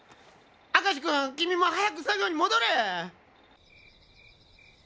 明石君君も早く作業に戻れ！